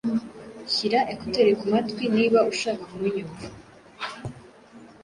Shyira ekuteri ku matwi niba ushaka kunyumva